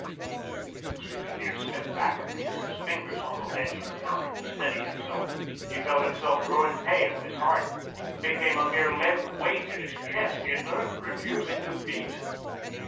The ex engineer stepped back a pace, his fingers on the ledge of the counter, to steady himself. He felt himself grow pale, his heart became a mere leaden weight in his chest, inert, refusing to beat.